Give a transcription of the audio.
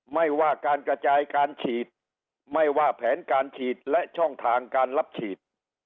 ไม่ว่าการกระจายการฉีดไม่ว่าแผนการฉีดและช่องทางการรับฉีด